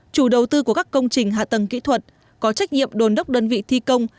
chủ đầu tư của các công trình hạ tầng kỹ thuật có trách nhiệm đồn đốc đơn vị thi công